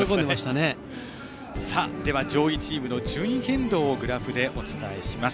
上位チームの順位変動をグラフでお伝えします。